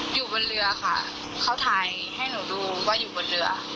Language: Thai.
อยู่บนเรือค่ะเขาถ่ายให้หนูดูว่าอยู่บนเรือ